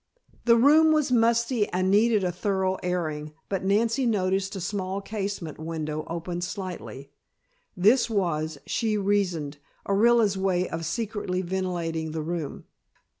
The room was musty and needed a thorough airing, but Nancy noticed a small casement window opened slightly this was, she reasoned, Orilla's way of secretly ventilating the room.